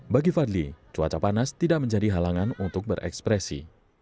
bagi fadli cuaca panas tidak menjadi halangan untuk berekspresi